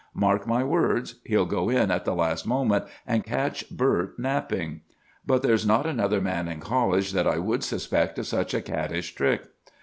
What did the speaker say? Mark my words, he'll go in at the last moment and catch Bert napping. But there's not another man in college that I would suspect of such a caddish trick.